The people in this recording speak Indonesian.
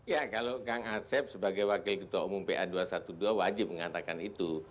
ya kalau kang asep sebagai wakil ketua umum pa dua ratus dua belas wajib mengatakan itu